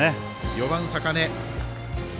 ４番、坂根。